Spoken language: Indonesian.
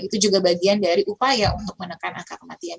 itu juga bagian dari upaya untuk menekan angka kematian